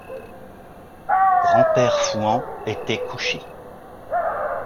Grand-père Fouan était couché...